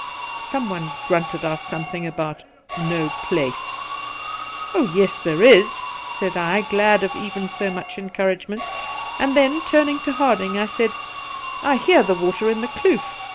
Someone grunted out something about ' no place.' ' Oh yes, there is,' said I, glad of even so much encouragement ; and then, turning to Harding, I said :' I hear the water in the kloof.